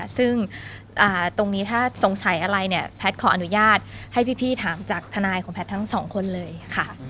ซึ่งตรงนี้ถ้าสงสัยอะไรเนี่ยแพทย์ขออนุญาตให้พี่ถามจากทนายของแพทย์ทั้งสองคนเลยค่ะ